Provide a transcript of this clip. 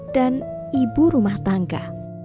dan ibu rumah tangga